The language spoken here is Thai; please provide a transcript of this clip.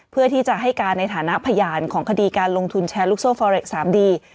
เพื่อที่จะให้การในฐานะพยานของคดีการลงทุนแชร์ลูกโซ่ฟอเล็ก๓ดี